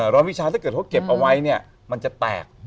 ร้อยวิชาถ้าเกิดเขาเก็บเอาไว้เนี่ยมันจะแตก